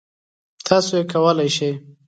تاسو یې کولای شی.